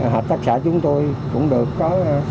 hợp tác xã chúng tôi cũng được có